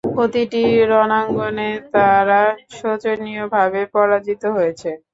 প্রতিটি রণাঙ্গনে তারা শোচনীয়ভাবে পরাজিত হয়েছে।